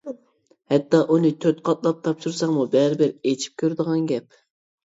ھەتتا ئۇنى تۆت قاتلاپ تاپشۇرساڭمۇ بەرىبىر ئېچىپ كۆرىدىغان گەپ.